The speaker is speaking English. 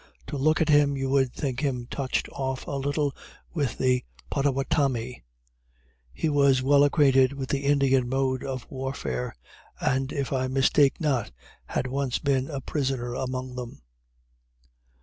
To look at him you would think him touched off a little with the Potawatamie. He was well acquainted with the Indian mode of warfare; and, if I mistake not, had once been a prisoner among them.